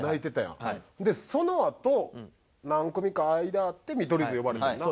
でそのあと何組か間あって見取り図呼ばれてんな。